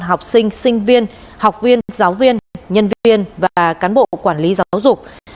học sinh sinh viên học viên giáo viên nhân viên và cán bộ quản lý giáo dục